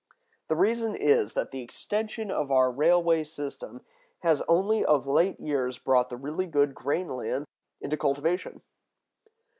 The reason is, that the extension of our railway system has only of late years brought the really good grain lands into cultivation.